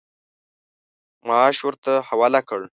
معاش ورته حواله کړ.